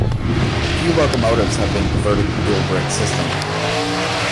Few locomotives have been converted to dual brake system.